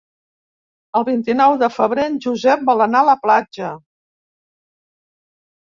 El vint-i-nou de febrer en Josep vol anar a la platja.